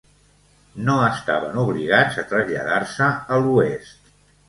No estaven obligats a traslladar-se a l'oest.